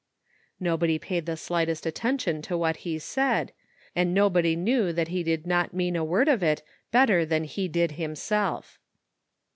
Nobody paid the slightest attention to what he said, and nobody knew that he did not mean a word of it better than he did himself.